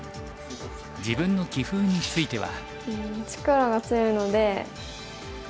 自分の棋風については。